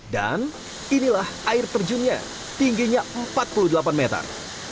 dan inilah air terjunnya tingginya empat puluh delapan meter